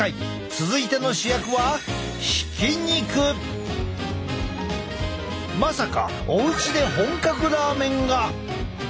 続いての主役はまさかお家で本格ラーメンが！？